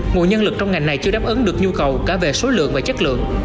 nguồn nhân lực trong ngành này chưa đáp ứng được nhu cầu cả về số lượng và chất lượng